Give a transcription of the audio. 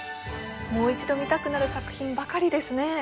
もう一度見たくなる作品ばかりですね